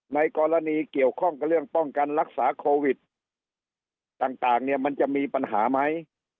ในกรณีเกี่ยวข้องกับเรื่องป้องกันรักษาโควิดต่างเนี่ยมันจะมีปัญหาไหม